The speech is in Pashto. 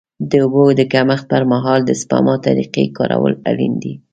د اوبو د کمښت پر مهال د سپما طریقې کارول اړین دي.